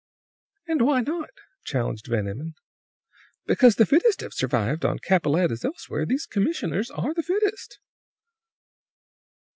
"And why not?" challenged Van Emmon. "Because the fittest have survived, on Capellette as elsewhere. These commissioners are the fittest."